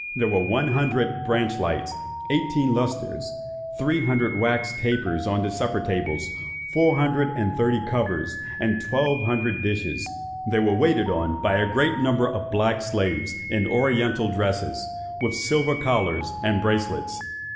There were one hundred branch lights, eighteen lustres, three hundred wax tapers on the supper tables, four hundred and thirty covers, and twelve hundred dishes. They were waited on by a great number of black slaves in oriental dresses, with silver collars and bracelets.